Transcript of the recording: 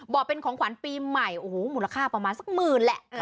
บอกเป็นของขวัญปีใหม่โอ้โหมูลค่าประมาณสักหมื่นแหละ